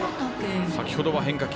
先ほどは変化球。